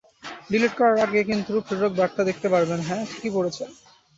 Delete করার আগে কিন্তু প্রেরক বার্তা দেখতে পারবেন হ্যাঁ, ঠিকই পড়েছেন।